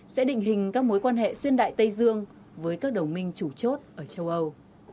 sẽ định hình các mối quan hệ xuyên đại tây dương với các đồng minh chủ chốt ở châu âu